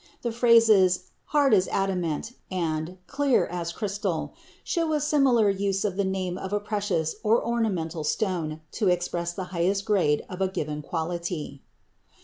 The phrases "hard as adamant" and "clear as crystal" show a similar use of the name of a precious or ornamental stone to express the highest grade of a given quality.